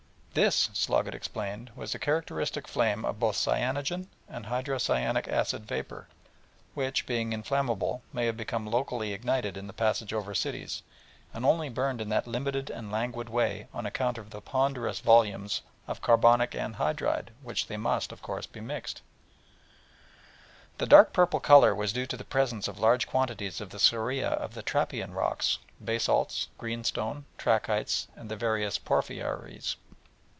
This, Sloggett explained, was the characteristic flame of both cyanogen and hydrocyanic acid vapour, which, being inflammable, may have become locally ignited in the passage over cities, and only burned in that limited and languid way on account of the ponderous volumes of carbonic anhydride with which they must, of course, be mixed: the dark empurpled colour was due to the presence of large quantities of the scoriae of the trappean rocks: basalts, green stone, trachytes, and the various porphyries.